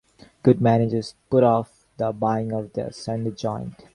Good managers put off the buying of their Sunday joint.